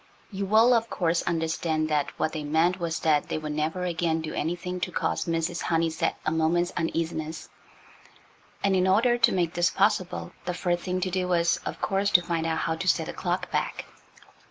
You will, of course, understand that what they meant was that they would never again do anything to cause Mrs. Honeysett a moment's uneasiness, and in order to make this possible the first thing to do was, of course, to find out how to set the clock back.